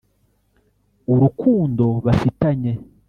Urukundo bafitanye